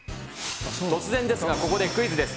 突然ですがここでクイズです。